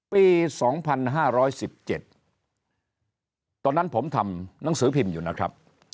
ปี๒๕๑๗ตอนนั้นผมทำหนังสือพิมพ์อยู่นะครับ